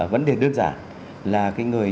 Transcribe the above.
vấn đề đơn giản là cái người